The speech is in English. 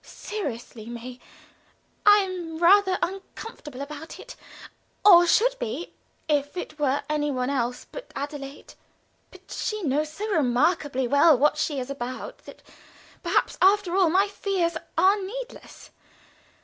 Seriously, May, I am rather uncomfortable about it, or should be, if it were any one else but Adelaide. But she knows so remarkably well what she is about, that perhaps, after all, my fears are needless.